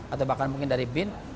atau bahkan mungkin dari bin